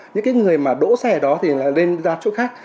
những cái người mà đỗ xe đó thì là lên ra chỗ khác